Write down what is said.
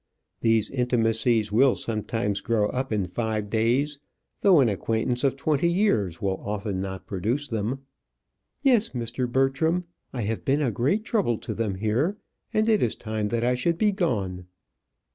These intimacies will sometimes grow up in five days, though an acquaintance of twenty years will often not produce them. "Yes, Mr. Bertram. I have been a great trouble to them here, and it is time that I should be gone."